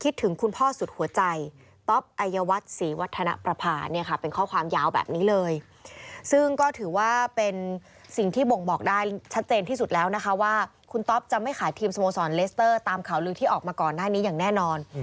อยู่ออกมาก่อนหน้านี้อย่างแน่นอน